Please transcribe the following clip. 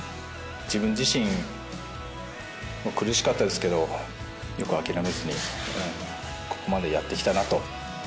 自分自身、苦しかったですけど、よく諦めずにここまでやってきたなと。